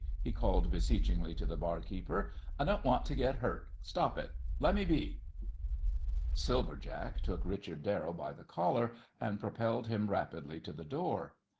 he called beseechingly to the barkeeper. "I don't want to get hurt. Stop it! Let me be!" Silver Jack took Richard Darrell by the collar and propelled him rapidly to the door.